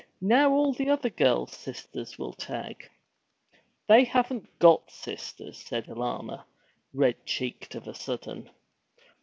Now all the other girls' sisters will tag!' 'They haven't got sisters!' said Alanna, red cheeked of a sudden.